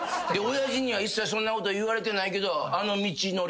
親父には一切そんなこと言われてないけど。